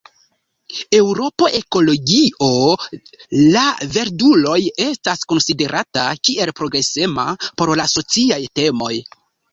Eŭropo Ekologio La Verduloj estas konsiderata kiel progresema por la sociaj temoj.